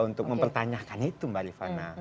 untuk mempertanyakan itu mbak rifana